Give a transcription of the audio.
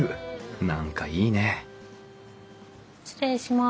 何かいいね失礼します。